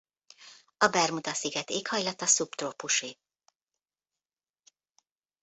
A Bermuda-sziget éghajlata szubtrópusi.